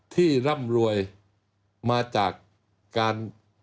ร่ำรวยมาจากการ